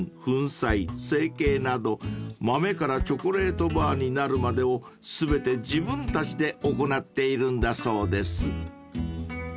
粉砕成形など豆からチョコレートバーになるまでを全て自分たちで行っているんだそうです］